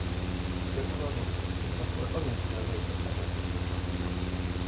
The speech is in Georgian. რეგულარული ღვთისმსახურება მიმდინარეობდა სამრეკლოს ქვეშ.